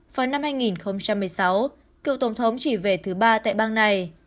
vào năm hai nghìn một mươi sáu cựu tổng thống chỉ về thứ ba tại bang này